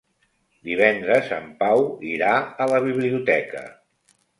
Divendres en Pau irà a la biblioteca.